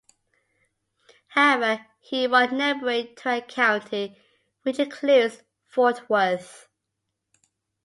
However, he won neighboring Tarrant County, which includes Fort Worth.